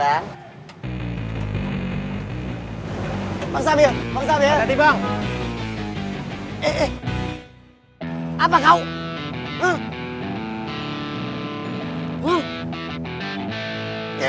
bang samil itu abangku